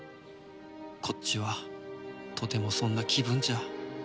こっちはとてもそんな気分じゃ。